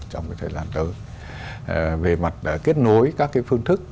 trong thời gian tới về mặt kết nối các phương thức